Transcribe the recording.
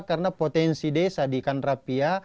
karena potensi desa di kanriapia